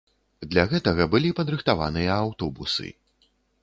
Для гэтага былі падрыхтаваныя аўтобусы.